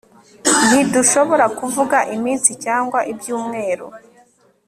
Ntidushobora kuvuga iminsi cyangwa ibyumweru